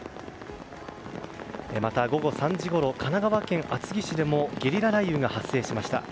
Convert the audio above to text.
また、午後３時ごろ神奈川県厚木市でもゲリラ雷雨が発生しました。